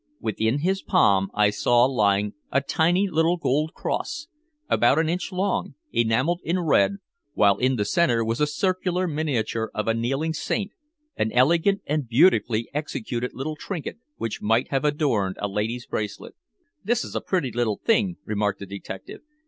Within his palm I saw lying a tiny little gold cross, about an inch long, enameled in red, while in the center was a circular miniature of a kneeling saint, an elegant and beautifully executed little trinket which might have adorned a lady's bracelet. "This is a pretty little thing!" remarked the detective.